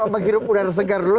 menghirup udara segar dulu